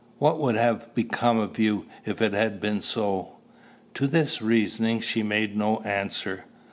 What would have become of you if it had been so?" To this reasoning she made no answer.